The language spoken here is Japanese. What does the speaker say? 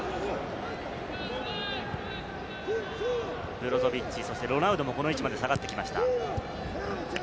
ブロゾビッチ、そしてロナウドもこの位置まで下がってきました。